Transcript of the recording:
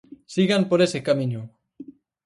Sigan por ese camiño.